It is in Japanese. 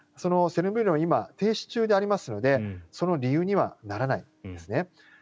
チェルノブイリは今、停止中でありますのでその理由にはならないんですね。